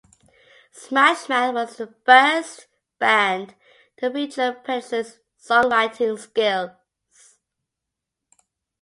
Smashmouth was the first band to feature Pedersen's songwriting skills.